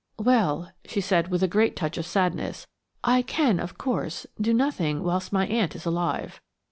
"Well," she said, with a great touch of sadness, "I can, of course, do nothing whilst my aunt is alive.